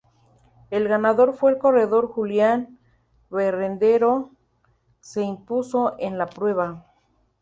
El ganador fue el corredor Julián Berrendero se impuso en la prueba.